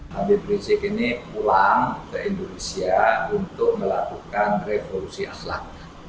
habib rizik ini pulang ke indonesia untuk melakukan revolusi akhlak